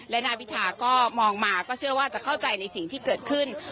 และนายพิธาก็มองมาก็เชื่อว่าจะเข้าใจในสิ่งที่เกิดขึ้น